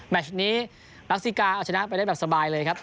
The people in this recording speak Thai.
ชนี้รัสซิกาเอาชนะไปได้แบบสบายเลยครับ